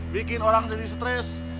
bikin orang jadi stress